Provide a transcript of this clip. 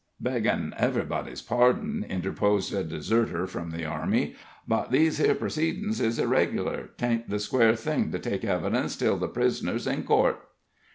"Beggin' ev'rybody's pardon," interposed a deserter from the army, "but these here perceedin's is irreg'lar. 'Tain't the square thing to take evidence till the pris'ner's in court."